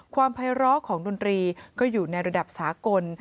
ภัยร้อของดนตรีก็อยู่ในระดับสากล